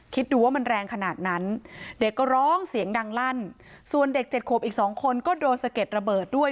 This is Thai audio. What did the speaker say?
คิดดูว่ามันแรงขนาดนั้นเด็กก็ร้องเสียงดังลั่นส่วนเด็กเจ็ดขวบอีกสองคนก็โดนสะเก็ดระเบิดด้วย